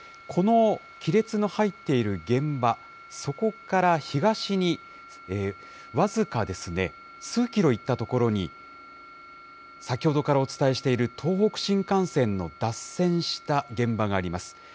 この亀裂の入っている現場、そこから東に僅か数キロ行った所に、先ほどからお伝えしている東北新幹線の脱線した現場があります。